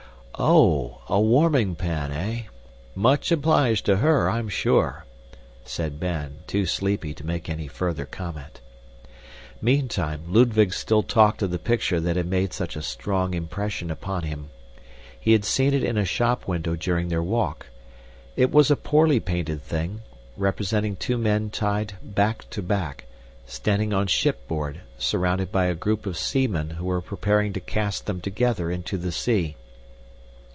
"Oh, a warming pan, eh! Much obliged to her, I'm sure," said Ben, too sleepy to make any further comment. Meantime, Ludwig still talked of the picture that had made such a strong impression upon him. He had seen it in a shop window during their walk. It was a poorly painted thing, representing two men tied back to back, standing on shipboard, surrounded by a group of seamen who were preparing to cast them together into the sea.